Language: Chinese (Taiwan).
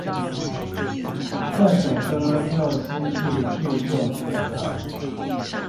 這首歌就失去著作權了